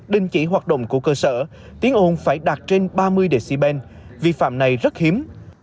đình chỉ hoạt động của cơ sở tiếng ồn phải đạt trên ba mươi dc ban vi phạm này rất hiếm